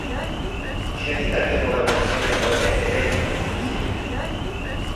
Senitarteko bat baino gehiago erail zuten naziek.